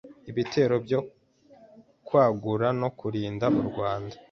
Ibitero byo kwagura no kurinda u Rwanda